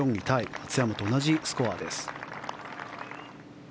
松山と同じスコアです。